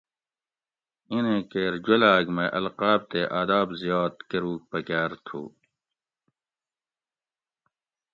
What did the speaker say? اینیں کیر جولاگ مئی القاب تے آداب زیاد کۤروگ پکاۤر تُھو